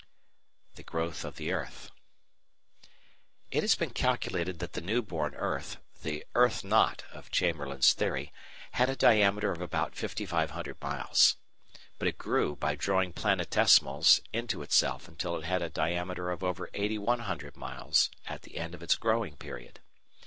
The Growth of the Earth It has been calculated that the newborn earth the "earth knot" of Chamberlin's theory had a diameter of about 5,500 miles. But it grew by drawing planetesimals into itself until it had a diameter of over 8,100 miles at the end of its growing period.